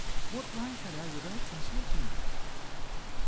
What right had I without consulting you?"